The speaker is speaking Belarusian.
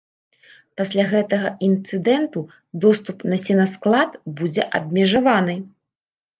Пасля гэтага інцыдэнту доступ на сенасклад будзе абмежаваны.